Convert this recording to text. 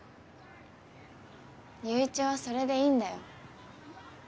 友一はそれでいいんだよ。